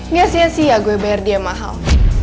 nggak sia sia gue bayar dia mahal